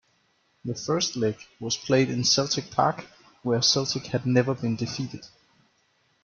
The first leg was played in Celtic Park, where Celtic had never been defeated.